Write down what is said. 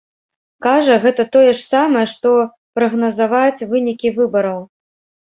Кажа, гэта тое ж самае, што прагназаваць вынікі выбараў.